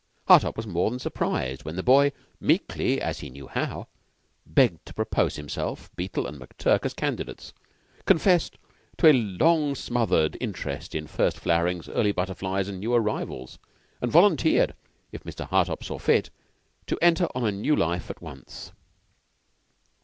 Hartopp was more than surprised when the boy meekly, as he knew how, begged to propose himself, Beetle, and McTurk as candidates; confessed to a long smothered interest in first flowerings, early butterflies, and new arrivals, and volunteered, if Mr. Hartopp saw fit, to enter on the new life at once.